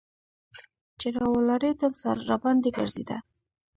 چې راولاړېدم سر راباندې ګرځېده.